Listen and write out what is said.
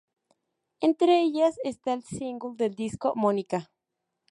Entre ellas está el single del disco, "Mónica".